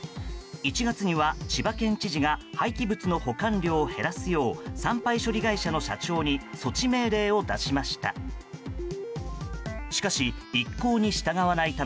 １月には千葉県知事が廃棄物の保管量を減らすよう産廃処理会社の社長に措置命令を出しました。